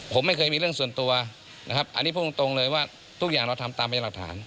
ผมไม่เคยมีเรื่องส่วนตัวนะครับพูดตรงเลยว่าทุกอย่างเราทำตามไปสถาน